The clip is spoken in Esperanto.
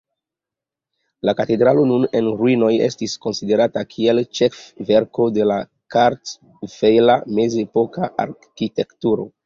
La katedralo, nun en ruinoj, estis konsiderata kiel ĉefverko de la kartvela mezepoka arkitekturo.